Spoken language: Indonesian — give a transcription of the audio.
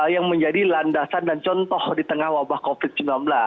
yang menjadi landasan dan contoh di tengah wabah covid sembilan belas